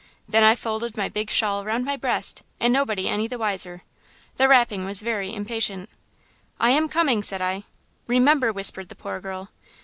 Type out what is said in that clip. Then I folded my big shawl around my breast and nobody any the wiser. The rapping was very impatient. "'I am coming,' said I. "'Remember!' whispered the poor girl.